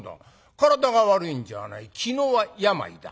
体が悪いんじゃない気の病だ。